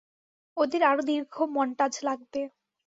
ওদের আরও দীর্ঘ মন্টাজ লাগবে।